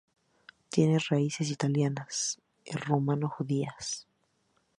Tiene raíces italianas y rumano-judías.